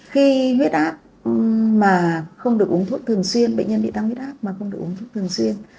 khi huyết áp mà không được uống thuốc thường xuyên bệnh nhân bị tăng huyết áp mà không được uống thuốc thường xuyên